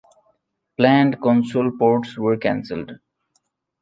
Planned console ports were cancelled.